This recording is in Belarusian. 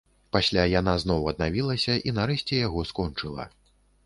Пасля яна зноў аднавілася і нарэшце яго скончыла.